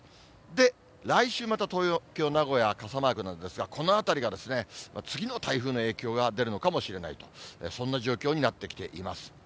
で、来週、また東京、名古屋、傘マークなんですが、このあたりが次の台風の影響が出るのかもしれないと、そんな状況になってきています。